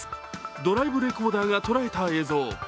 ドライブレコーダーが捉えた映像。